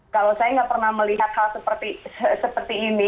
kalau saya nggak pernah melihat hal seperti ini